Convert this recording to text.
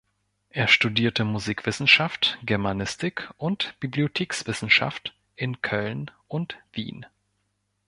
Er studierte Musikwissenschaft, Germanistik und Bibliothekswissenschaft in Köln und Wien.